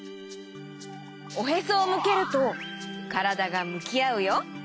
おへそをむけるとからだがむきあうよ。